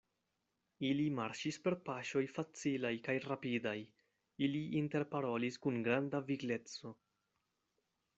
Ili marŝis per paŝoj facilaj kaj rapidaj, ili interparolis kun granda vigleco.